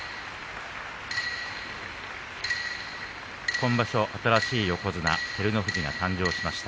今場所、新しい横綱照ノ富士が誕生しました。